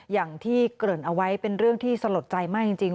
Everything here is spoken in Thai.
อย่างที่เกริ่นเอาไว้เป็นเรื่องที่สลดใจมากจริง